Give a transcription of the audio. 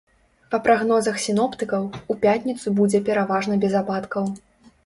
Па прагнозах сіноптыкаў, у пятніцу будзе пераважна без ападкаў.